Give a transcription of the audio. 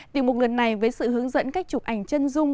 tiểu mục lần này với sự hướng dẫn cách chụp ảnh chân dung